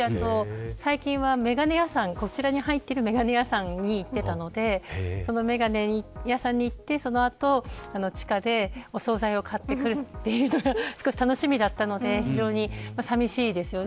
最近は、こちらに入ってる眼鏡屋さんに行ってたのでその眼鏡屋さんに行ってその後地下でお総菜を買っていくというのが少し楽しみだったので非常に寂しいですよね。